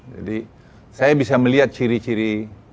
saya bisa melihat ciri ciri